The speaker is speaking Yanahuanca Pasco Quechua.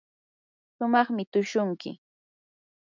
shumaqmi tushunki.